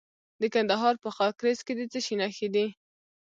د کندهار په خاکریز کې د څه شي نښې دي؟